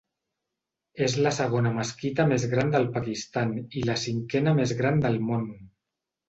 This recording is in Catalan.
És la segona mesquita més gran del Pakistan i la cinquena més gran del món.